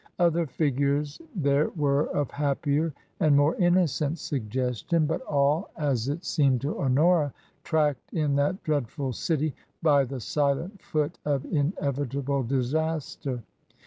Other figures there were of happier and more innocent suggestion, but all, as it io8 TRANSITION. seemed to Honora, tracked in that dreadful city by the silent foot of inevitable disaster.